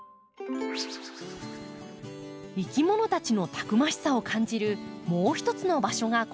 いきものたちのたくましさを感じるもう一つの場所がこちら。